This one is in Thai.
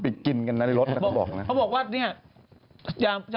ยังไม่ได้เหาหอนอะไรเลยนุ่มนุ่มนุ่ม